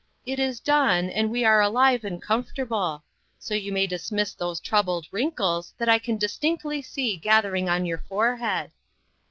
It is done, and we are alive and comfortable ; so you may dismiss those troubled wrinkles that I can distinctly see gathering on your forehead.